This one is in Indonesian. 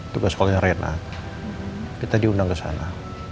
tugas sekolah rena kita diundang ke sana